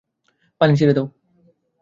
পানি ছেড়ে দাও।